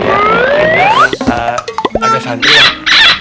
ada santri yang